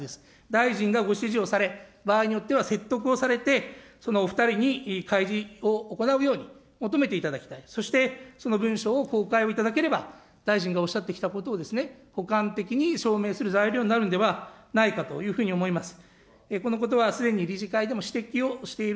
大臣がご指示をされ、場合によっては説得をされて開示を行うように求めていただきたい、そしてその文書を公開をいただければ、大臣がおっしゃってきたことを補完的に証明する材料になるんではないかというふうに思います。